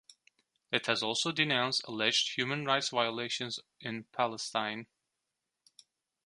It has also denounced alleged human rights violations in Palestine.